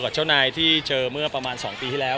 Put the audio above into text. เจ้านายที่เจอเมื่อประมาณ๒ปีที่แล้ว